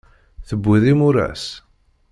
Tewwiḍ imuras?